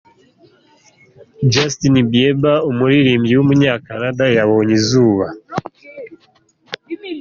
Justin Bieber, umuririmbyi w’umunyakanada yabonye izuba.